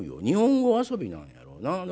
日本語遊びなんやろな。